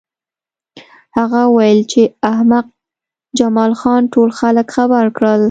هغه وویل چې احمق جمال خان ټول خلک خبر کړل